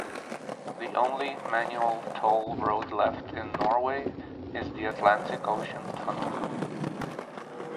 The only manual toll road left in Norway is the Atlantic Ocean Tunnel.